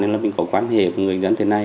nên là mình có quan hệ với người dân thế này